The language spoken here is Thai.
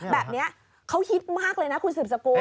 แบบนี้เขาฮิตมากเลยนะคุณสืบสกุล